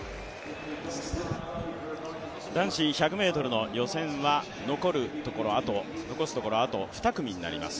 男子１００ｍの予選は、残すところあと２組になります。